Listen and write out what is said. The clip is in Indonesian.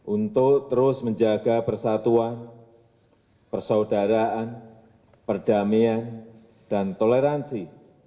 untuk terus menjaga persatuan persaudaraan perdamaian dan toleransi